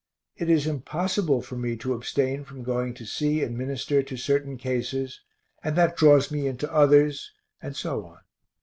It is impossible for me to abstain from going to see and minister to certain cases, and that draws me into others, and so on.